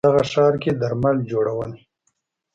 په دغه ښار کې ښه درمل جوړول